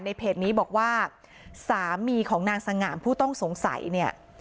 เพจนี้บอกว่าสามีของนางสง่ามผู้ต้องสงสัยเนี่ย